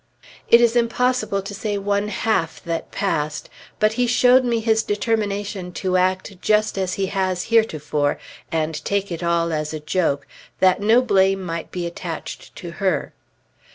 It is impossible to say one half that passed, but he showed me his determination to act just as he has heretofore, and take it all as a joke, that no blame might be attached to her.